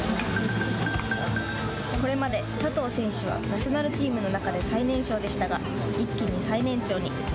これまで佐藤選手はナショナルチームの中で最年少でしたが一気に最年長に。